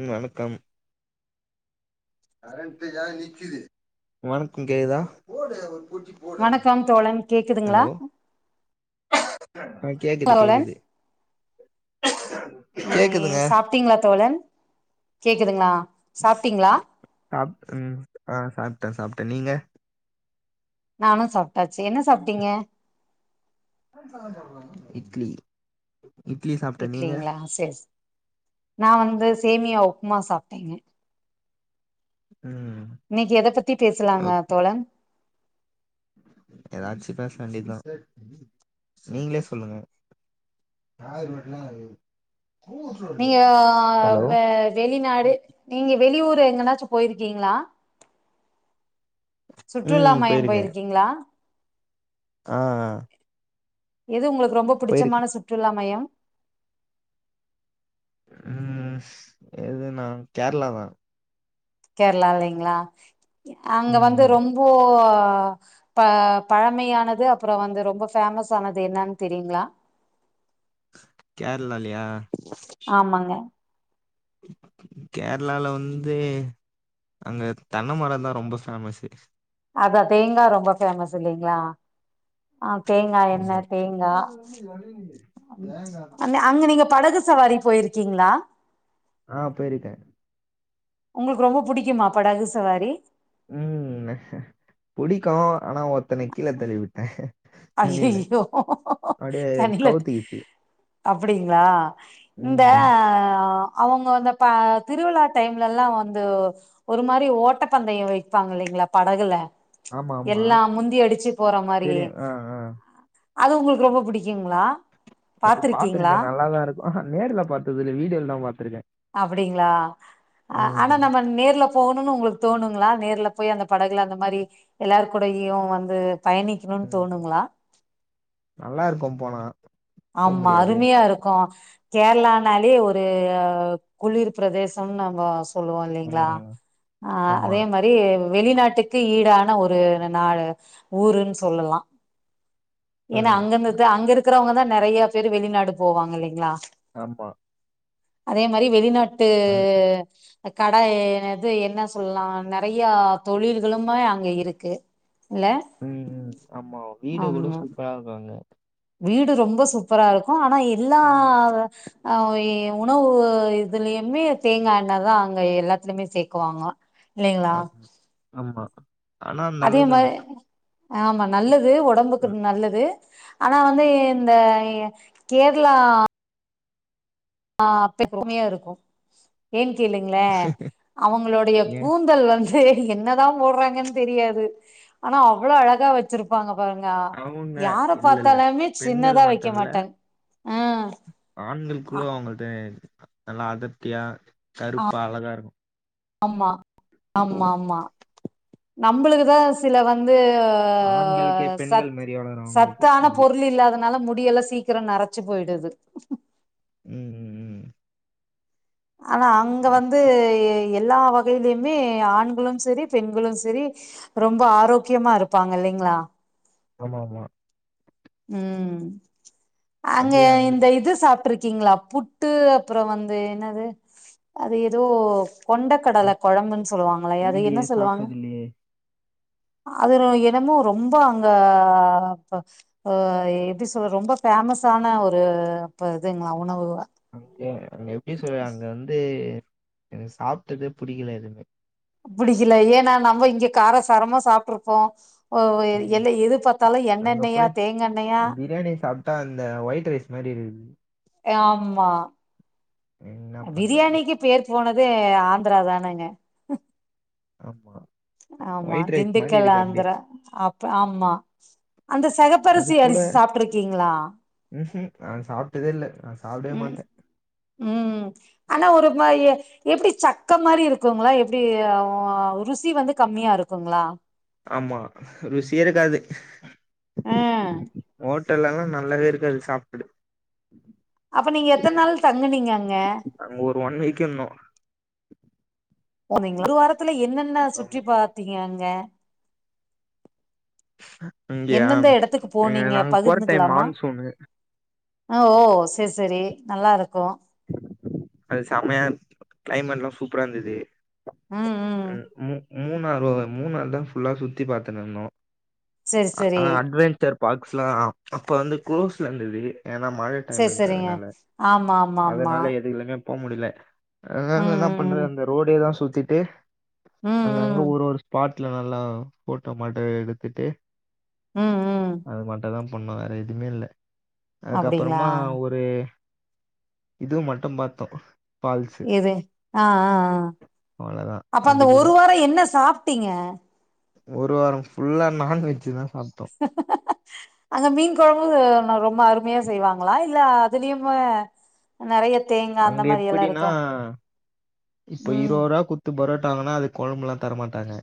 ம் வணக்கம் வணக்கம் கேக்குதா பொட்டி போடு வணக்கம் அவனுக்கு தோழன் கேக்குதுங்களா ஹலோ ஆ கேக்குது தோழன் கேக்குது ம் கேக்குதுங்க சாப்ட்டீங்களா தோழன் கேக்குதுங்ளா சாப்டன் ஆ சாப்ட்ட சாப் த நீங்க நானு சாப்ட்டாச்சு என்ன சாப்ட்டீங்க இட்லி இட்லி சாப்ட்டே நீங்க இட்லிங்ளா சேர்ஸ் நா வந்து சேமியாவு உமா சாப்ட்டேங்கெ ம் நீக்கி எத பத்தி பேசுலாங்க ஓக் தோழன் ஏதாச்சு பேஸ் வேண்டியதா நீங்ளே சொல்லுங்க நீங்க அ ஹலோ வெ வெளிநாடு நீங்க வெளியூர் எங்கனாச்சு போய்ருக்கீங்ளா சுற்றுலா ம் மயம் போயிருக்கீங்ளா அ அ எது உங்களுக்கு ரொம்ப புடிச்சமான சுற்றுலா மய்யோ ம் எதுனா கேர்ளா தா கேர்ளா இல்லைங்ளா அங்க ம் வந்து ம் ரொம்போ ஆ ப பழமையானது அப்புறோ வந்து ரொம்ப பேமஸ் ஆனது என்னானு தெரியுங்ளா கேர்ளாலயா ஆமாங்க கேர்ளால வந்து அங்க தென்ன மரொந்தா ரொம்ப ஃபேமஸு அதா தேங்கா ரொம்ப ஃபேமஸ் இல்லிங்களா ஆ தேங்கா எண்ண ஆமா தேங்கா அன்னே அங்க நீங்க படகு சவாரி போயிருக்கீங்ளா ஆ போய்ருக்கே உங்களுக்கு ரொம்ப புடிக்குமா படகு சவாரி ம் புடிக்கு ஆனா ஒத்தன கீழ தள்ளி விட்டே ஐ தண்ணில ஐய்யோ அப்டியே தண்ணில கவுத்திக்கிச்சு அப்டிங்களா இந்த ம் அவங்க வந்த ப திருவிழா டைம்ல எல்லா வந்து ஓ ஒரு மாரி ஓட்டப்பந்தய வெப்பாங்க இல்லைங்களா படகுல ஆமா ஆமா எல்லா முந்தி அடிச்சு போற மாரி தெரியு ஆ ஆ அது உங்களுக்கு ரொம்ப புடிக்குங்களா அது பாத்துருக்கீங்களா பாத்திருக்கே நல்லாதா இருக்கு ஆனா நேர்ல பாத்தது இல்ல வீடியோல்லா தா பாத்திருக்கே அப்டிங்களா அ ஆனா நம்ம நேர்ல போகணுன்னு உங்களுக் தோணுங்களா நேர்ல போய் அந்த படகுல அந்த மாரி எல்லார்கூடேயு வந்து பயணிக்கணுன் ம் தோணுங்களா நல்லா இருக்கு போனா போ ஆமா முடியாதே அருமையா இருக்கு கேரளனாலே ஒரு குளிர் பிரதேசம் நம்ம சொ சொல்லுவோ இல்லேங்களா ம் ஆ ஆமா அதே மாரி வெளிநாட்டுக்கு ஈடான ஒரு ந ஊருன்னு சொல்லலா ஏனா ம் அங்கந்தது அங்க இரு இருக்கிறவங்க தா நெறைய பேர் வெளிநாடு போவாங்க இல்லலைங்களா ஆமா அதே மாரி வெளிநாட் டு கடை எது என்ன சொல்லலா நறைய தொழில்களுமே அங்க இருக்கு இல்ல உம் உம் ஆமா வீடு கூட ஆமா சொல்ல அப்பாள் வாங்க வீடு ரொம்ப சூப்பரா இருக்கு ஆனா எல்லா ம் ஆ ஏ உணவு இதுலயுமே தேங்கா எண்ணாதா அங்க எல்லாத்துலயுமே சேக்குவாங்கோ ஆ ஆமா ஆனா அந்த அதே அளவு தாங்க மாரி ஆமா நல்லது து ஒடம்புக்கு நல்லது ஆனா வந்து இந்த கேரளா ஆ அப்ப பொறாமையா இருக்கு ஏன் இல்லைங்களே அவங்களுடைய ஏன் கூந்தல் வந்து என்னதா போடுறாங்கன்னு தெரியாது ஆனா அவ்வளோ அழகா வச்சிருப்பாங்க பாருங்க அவங்க யார இல்ல இல்ல பார்த்தாலமே பெண்கள் சின்னதா வைக்க மட்டும் இல்ல மாட்டாங்க ஆ ல்லுவோ அவங்கள்ட ஏ நல்லா அடர்த்தியா ஆ- கருப்பா அழகாருக்கூ ஆமா ஆமா ஆமா நம்முளுக்குதா சில வந் து ஆண்களுக்கே பெண்கள் சத் மாரி வளரும் அவங்களுக்கு சத்தான அப்படி பொருள் இல்லாதனால முடியெல்லா சீக்கிரோ நரச்சு போயிடுது ம் ம் ஆனா அங்க ம். வந்து எல்லா வகையிலயுமே ஆண்களூ செரி பெண்களூ செரி ரொம்ப ஆரோக்கியமாருப்பாங்க இல்லைங்களா ஆமா ஆமா ம் அங்க இந்த இது சாப் ட்ருக்கீங்களா புட்டு அப்றோ வந்து என்னது அது ஏதோ கொண்ட கடல அ- கொழம்புன் சொல்லுவாங்களே அத என்ன இல்லையே சொல்லுவாங்க சாப்பிட்டது இல்லையே அது என்னமோ ரொம்ப அங்க ஆ எப்படி சொல்ற ரொம்ப ஃபேமஸ் ஆனா ஒரு ப இதுங்க உணவு அங்கே அங்க எப்டி சொல் அங்க வந்து எனக்கு சாப்டதே புடிக்கல எதுமே புடிக்கல ஏனா நம்ம இங்க கார சாரமா சாப்ட்டுருப்போ ஆ ம் எல்ல எது பாத்தாலூ எண்ணெண்ணயா தேங்காண்ணெயா ட அந்த வைட் ரைஸ் மாரி இந் ஆமா என்ன பண்றது? பிரியாணிக்கு பேர் போனத் து ஆந்திரா தானேங்க ஆமா ஆமா ஒயிட் ரைஸ் மாரி திண்டுக்கல் இருக்கு அப்டியே. ஆந்திரா அப் ஆமா அந்த அது செகப்பரிசி கூட அரிசி சாப்ட்ருக்கீங்களா ம்ஹ்ம். நான் சாப்ட்டதே இல்ல. நான் சாப்டவே ம் மாட்டேன். ம் ஆனா ஒரு மாய எப்படி சக்க மாரி இருக்கூங்ளா எப்டி ஆ ருசி வந்து கம்மியாருக்கூங்களா ஆமா ருசியேருக்காது ஆ ஹோட்டல்லல்லா நல்லாவேருக்காது சாப்படு அப்ப நீங்க எத்தன் நாள் தங்குனீங்க அங்க நாங்க ஒரு ஒன் வீக் இன்னூ ஓ நீங்க ஒரு வாரத்துல என்னென்ன ஆமா. சுற்றி பாத்தீங்க அங்க அங்கயா எந்தெந்த எடத்துக்கு அங்க போனீங்க நாங்க போற டைம் மான்சூனு ஓஓ செர் செரி நல்லாருக்கூ அது செமையா கிளைமேட் எல்லாம் சூப்பரா இருந்தது ம் ம் உஹம் உ மூணாறு மூணாறு தான் ஃபுல்லா சுத்தி பாத்துணுருந்தோம் செரி ஹ் செரி ஹ் அட்வெஞ்சர் பாக்ஸ்லாம்அப்ப வந்து கோர்ஸ்ல இருந்துது செரி செரிங்க ஆமா ஆமா ஆமா அதனால எதுவுல்லங்க போ முடில அதானே என்ன பண்றது ம் அந்த ரோடே தான் சு த்திட்டே ம் அங்க அங்க ம் ம் ஒரு ஒரு ஸ்பாட் ல நல்லா போட்டோ மாட்ட எடுத்துட்டு ம் ம் ம் அது மட்டும் தா பண்ணும் வேற எதுவுமே இல்ல அப்டிங்களா அதுக்கப்புறமா ஒரு இதுவும் மட்டும் பாரத்தோம் இது ஆஹ்ஹ்ஹ அவ்வளோதான் அப்ப அது அந்த கூட ஒரு வாரம் என்ன சாப்டீங்க ஒரு வாரம் ஃபுல்லா நான்வெஜ்ஜ் தா அங்க மீன் கொழம்பு ரொம்ப அருமையா செய்வாங்களா இ அதுலயும நெறைய தேங்கா அந்த அங்க மாரி எல்லா எப்படினா இருக்கா இப்ப ம் இருபது ரூபாயா குத்து பரோ ட்டாங்கன்னா அது கொழபுல்லாம் தரமாட்டாங்க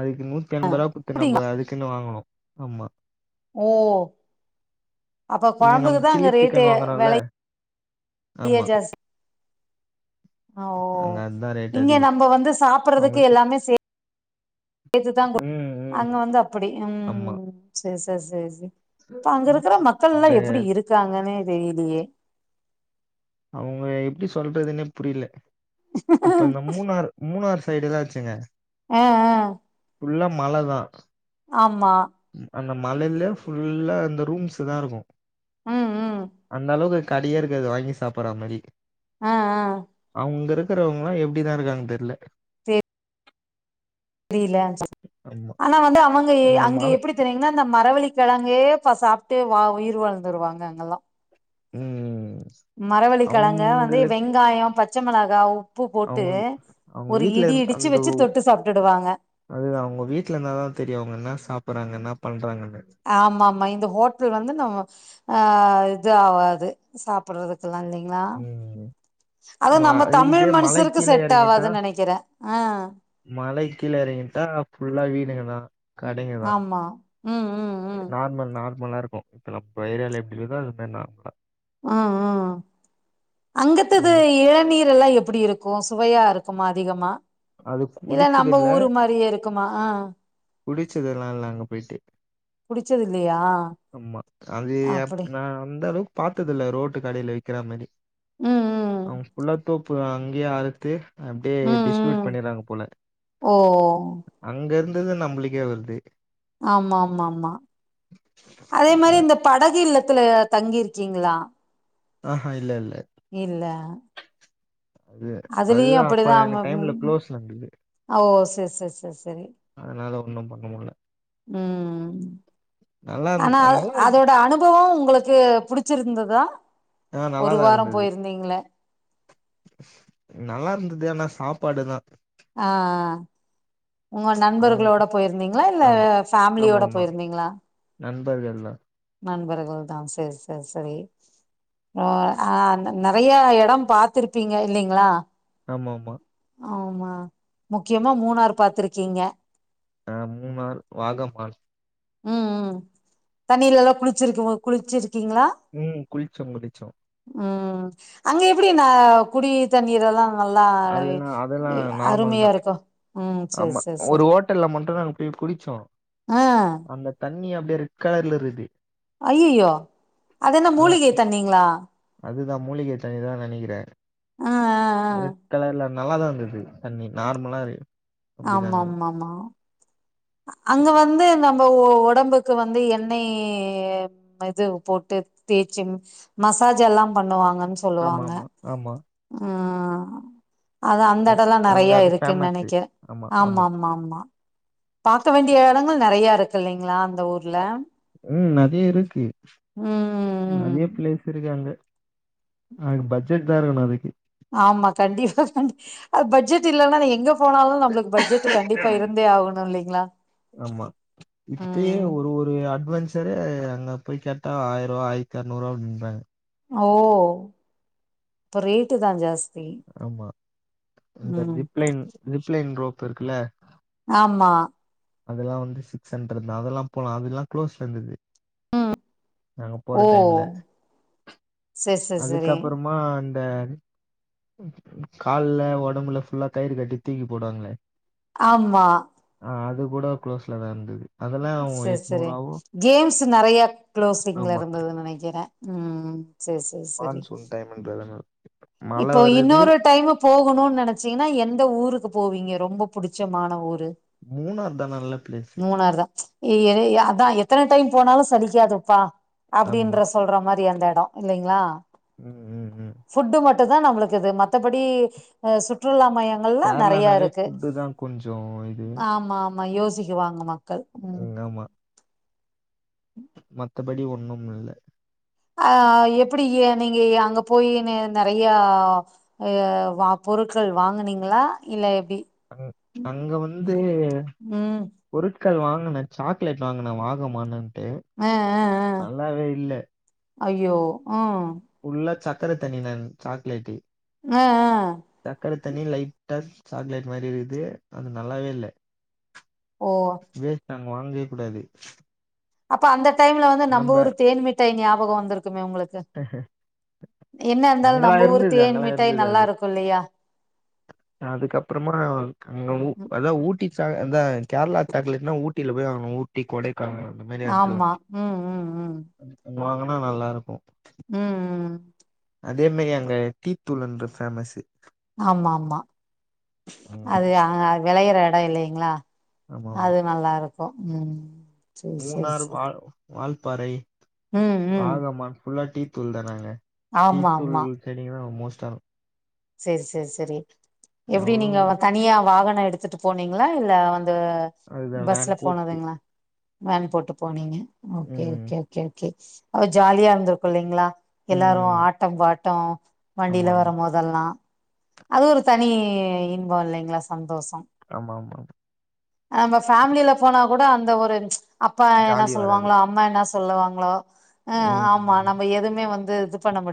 அதுக்கு நூத்து எம்பது ரூவா அப்டியா நம்ப அதுக்குன்னு வாங்கணும் ஆமா ஓ அப்போ இங்க நம்ம கொழம்புக்குதான் அங்க சில்லி ரேட்டு சிக்கன் வில வாங்குறோம்ல நெறயா ஆமா ஜாஸ் ஔ அங்க அதுதான் ரேட் இங்க அதிகம் நம்ம வந்து சாப் அவங்க றதுக்கு எல்லாமே சேத்துதான் ம் அங்க ம் வந்து அப்படி உம் ஆமா சரி சரி சரி சரி ச ரி இப்ப அங்க இருக்கிற மக்கள் எல்லாம் அங்க எப்படி இருக்காங்கன்னு தெரிலயே அவங்க எப்படி சொல்றதுன்னே புரியல இப்ப இந்த மூணார் மூணார் சைடு எதாச்சு சங்க ஆஹ் ஆஹ் உள்ளல மழ தா ஆமா அந்த மலையில ஃபுல்லா அந்த ரூம்ஸ் தா இருக்கும் ம் ம் அந்தா அளவுகு கடைய இருக்குது வாங்கி சாப்பிடடுறா மாரி ஆ ஆ அவங்கற இருக்கறவங்களா எப்படிதா இருக்காங்க தெரியல தெரியல ஆனா வந்து அவங்க இந்த அங்க மால் எப்படி ரேங்கன்னா அந்த மரவழிக்கிழங்கே சாப்பிட்டு வா உயிர் வாழ்ந்துருவாங்க அங்கெல்லாம் உஹம் மரவழிக்கிழங்க வந்து வெங்காயம் பச் ச்ச மெளகா உ அவுங்க அவுங்க வீட்ல இரு இடிச்சு அந்த வச்சு ஒ தொட்டு சாப்ட்டுடுவாங்க அது அவுங்க வீட்லந்தாதா தெரியு அவுங்க என்ன சாப்பறாங்க என்னா பன்றாங்க ஆமாமா இந்த ஹோட்டல் வந்து நம்ம ஆ து ஆவாது சாப்பட்றது குல்லா இல்லிங்ளா ம் அத ஆமா நம்ம தமிழ் இதே மலை மனுஸருக்கு கீழ செட் எறங்கிட்டா ஆவாதுன் நெனக்கிறே ஆ மலை கீழ எறங்கிட்டா ஃபுல்லா வீடுங்க தா கடைங்க தா ஆமா உம் உம் உம் மலாருக்கூ அப்ப ஏரியால எப்டி இருதோ அது மார் நார்மலா அ அ அங்கத்தது அது இளநீரெல்லா எப் ப்புடி இருக்கூ சுவையாருக்குமா அதிகமா அது இதா குடிச்சது நம்ப ஊரு மாரியேருக்குமா ஆ குடுச்சதெல்லால்ல அங்க போயிட்டு புடிச்சது இல்லையா அம்மா அஜி அப் அப்படி நா அந்தளவுக் பாத்ததில்ல ரோட்டு கடைல விக்கிற மாரி ம் ம் அவுங் ஃபுல்லா தோப்புதா அங் கியே அறுத்து அப்டே ம் டிஷ் டிப்யூட் ம் பண்ணிர்றாங்க போல ஓ அங்கருந் [unintelligible] நம்பளுக்கே வருது ஆமாமாமா அதே மாரி இந்த படகில்ல த்துல தங்கியிருக்கீங்களா ஆ ஹா இல்ல இல்ல இல்ல து அது அதுலயு அப்ப அப்படிதா எங்க டைம்ல குளோஸ் நந்தது எஸ் எஸ் எஸ் தெரி பண்ண முடில உம் நல்லா இருந் ஆனா நல்லா இரு அதோட அனுபவொ உங்களுக்கு புடுச்சிருந்ததா ஆ ஒரு வாரம் போயிருந்தீங்கள்ள நல்லாருந்தது ஆனா சாப்பாடுதா ஆ உங்க அவங்க நண்பர்களோட போயிருந்தீங்ளா இல்ல ஆமா ஃபேமிலியோட போயிருந்தீங்ளா நண்பர்கள்லா நண்பர்கள்தா சேர் சேரி ஓ ஆ நெறையா எடம் பாத்துருப்பீங்க இல்லைங்ளா ஆமா ஆமா ஆமா முக்கியமா மூணார் பாத்துருக்கீங்க ஆஹ் மூணார் வாகம்மாள் உம் உம் தண்ணியிலலாம் குளிச்சிருக்கு குளிச்சிரு உம் குளிச்சோம் குளிச்சோம் ம் அங்க எப்படினா குடி தண்ணீரலாம் அதுலா அதல்லாம் நார்மல் தான் இருக்கு ம் செரி ஆமா செரி செரி ஒரு ஹோட்டல்ல மட்டும் நாங்க போய் குளிச்சோம் ஆ அந்த தண் ணி அப்டே ரெட் கலர்ல இருக்குது அய்யயோ அது என்ன மூலிக தண்ணீங்களா அதுதான் மூலிகை தண்ணி தான் நெனக்கிறேன் ஆ ஆ ரெட் கலர்ல நல்லாதான் இருந்தது தண்ணி நார்மலா இரு அப்டிதா ஆமா இருந்தது ஆமா ஆமா அங்க வந்து நம்ம ஒ ஒடம்புக்கு வந்து எண்ணெய் இது போட்டு தேய்ச்சு மசாஜ்லாம் பண்ணுவாங்க ஆமா சொல்லுவாங்க ஆமா ஆமா உம் அதான் அந்த அ- எடம்ல்லாம் அங்க நறயா அது இருக்குன்னு ஃபேமஸு நெனைக்கற ஆமா ஆமா ஆமா பாக்க வேண்டிய இடங்கள் நெறயா இருக்கு இல்லலைங்களா அந்த ஊர்ல உம் நதயா இருக்கு ம் நறயா பிளேஸ் இருக்கு அங்க ஆஹ் பட்ஜட் தா இருக்கணும் அதுக்கு ஆமா கண்டிப்பா கண்டி ஆ பட்ஜட் இல்லன்னா நா எங்க போனாலும் நம்மளுக்கு பட்ஜட் கண்டிப்பா இருந்தே ஆகணும் இல்லைங்களா ஆமா உம் சரே அங்க போய் கேட்டா ஆயிருவா ஆயிரத்தி அறநூறுவா அப்டின்றாங்க ஓ அப்ப ரேட்டு தான் ஜாஸ் ஆமா இந்த ம் ஜிப்லைன் ஜிப்லைன் ரோப் ப் இருக்குல்ல ஆமா அதுல்லாம் வந்து சிக்ஸ் ஹண்ட்ரட் தான் அதுல்லாம் போலாம் அதுல்லாம் குளோஸ்ல இருந்தது உம் நாங்க போற டைம்ல செரி செரி செரி அதுக்கப்புறமா இந்த கால்ல ஒடம்புல ஃபுல்லா கயிறு கட்டி தூக்கி போடுவாங்களே ஆமா ஆ அது கூட குளோஸ்ல தான் இருந்தது அதெல்லாம் சர் சரி எட்நூறாவும் கேம்ஸ் நெறயா க்ளோஸ் கிங்ல ஆமா இருந்ததுனு நெனைக்கி றே உம் மான்சூன் டைமண்ட் வரனு இப்போ இன்னொரு டைம் போகணும்னு நெனைச்சீங்கன்னா எந்த ஊருக்கு போவீங்க ரொம்ப புடிச்சமான ஊரு மூணாறு தான் நல்ல பிளேஸு ஏ ஏ அதான் எத்தன டைம் போனாலும் சலிக்காதுப்பா ஆமா அப்டின்ற சொல்ற மாரி தி அந்த இடம் இல்லைங்களா ம் ம் ம் ஃபுட்டு மட் டு தான் நம்மளுக்கு இது மத்தபடி ஆஹ் சுற்றுலா மையங்கள்லாம் நெறைய கேரளானாலே இருக்கு ஃபுட்டு தான் கொஞ்சம் ஆமா ஆமா யோஸ் சிக்குவாங்கம்மா உங்கமா மத்தபடி ஒண்ணும் இல்ல அஹ் எப்பிடி ஏ நீங்க ய் அங்க போயு நெறைய ஆஹ் வ பொருட்கள் வாங்குனீங்களா இல்ல எப்டி அ அங்க வந்து ம் பொருட் கள் வாங்குனே சாக்லேட் வாங்குனே வாங்க மானு டு ஆ நல்லாவே இல்ல ஐய்யோ உள்ள ச தர தண்ணி நா சாக்கலேட்ட் ஹ் ஆஹ் த்தனியா லைட்டா சாக்லைட் மாதிரி இருக்குது அது நல்லாவே இல்ல ஓ நா வாங்கவே கூடாது அப்ப அந்த டைம்ல வந்து நம்ம ஒரு தேன்மிட் தேன் ஞாபகம் வந்திருக்கு க்குமே உங்களுக்கு என்ன இருந்தாலும் அங்கெல்லாம் நம்ம ஊர் இருந்தது தேன் அங்கெல்லாம் மிட்டாய் இருந்தது நல்லா அது இருக்கும் இல்லையா அதுக்கப்புறமா அங்க ம், அதா ஊட்டிச்சா அதா கேரளா சாக்லட்னா ஊட்டில போய் வாங்கணும் ஊட்டி கொடை ஆமா உம் உம் உம் அங்க வாங்கினா நல்லா இருக்கும் உம் அதே மாாரி அங்க டீத்தூள்ன்ற பேஃபேமஸ்ஸு ஆமா ஆமா அது விளையற இட இல்லைங்களா அது நல்லா இரு கூ உம் மூணாறு வா வால்பாறை ம் ம் ஆகமான் புல்லாட் டி தூல் தானாங்க டி ஆமா தூள் செடிகன மோச [inaudible] சரி சரி சரி எப்படி எவ்ளோ நீங்க தனியா வாகன எடுத்துட்டு போனீங்களா இல்ல வந்து அதுதா அ வேன் பஸ்ல கோச்சு போனதுங்களா வேன் போட்டு போனீங்க ஓகே ம் ஓகே ஓகே ஓகே அவர் ஜாலியா இருந்திருக்கும்ல்லலைங்களா எல்லாரும் ம் ஆட்டம் பாட்டம் ஆமா வண்டியில ஆமா வரும்போது அதல்லாம் அது ஒரு தனி இன்பம் இல்லைங்களா சந்தோஷம் ஆமாமா நம்ம ஃபேமிலியில போனா கூட அந்த ஒரு அப்பா என்ன ஜாலி வராது சொல்லுவாங்களோ அம்மா என்ன ஸ் சொல்லுவாங்களோ ஆ ம் ஆமா ம் நம்ம எதூமே வந்து இது பண்ண முடி